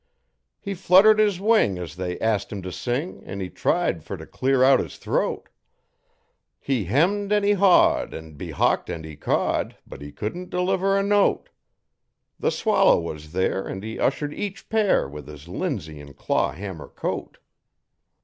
He fluttered his wing as they ast him to sing an' he tried fer t' clear out his throat; He hemmed an' he hawed an' be hawked an' he cawed But he couldn't deliver a note. The swallow was there an' he ushered each pair with his linsey an' claw hammer coat.